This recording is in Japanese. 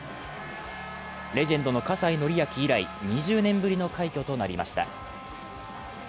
レジェンドの葛西紀明以来、２０年ぶりの快挙となりました。